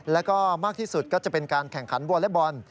แล้วก็มากที่สุดก็จะเป็นการแข่งขันวอเล็กบอล